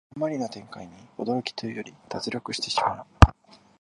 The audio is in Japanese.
あんまりな展開に驚きというより脱力してしまう